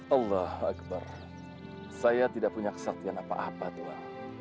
allah akbar saya tidak punya kesaktian apa apa tuhan